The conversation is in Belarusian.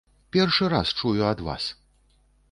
Першы раз чую ад вас.